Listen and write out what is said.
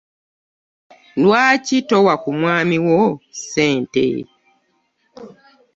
Lwaki towa ku mwami wo ssente?